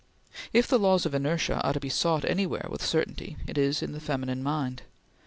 If the laws of inertia are to be sought anywhere with certainty, it is in the feminine mind.